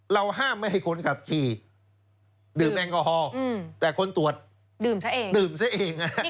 เราห้ามให้คนขับขี่ดื่มแองกอฮอล์แต่คนตรวจดื่มเสียเอง